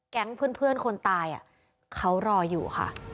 เพื่อนคนตายเขารออยู่ค่ะ